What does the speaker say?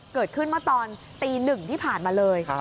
เกิดขึ้นมาตอน๑๐๐นที่ผ่านมาเลย